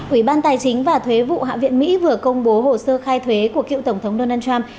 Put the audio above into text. ủy ban tài chính và thuế vụ hạ viện mỹ vừa công bố hồ sơ khai thuế của cựu tổng thống donald trump